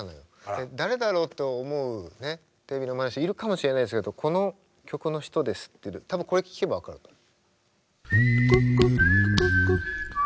誰だろうと思うねテレビの前の人いるかもしれないですけどこの曲の人ですって多分これ聴けば分かると思う。